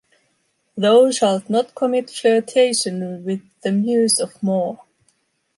Thou shalt not commit flirtation with the muse of Moore.